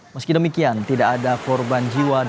meski demikian tidak ada korban jiwa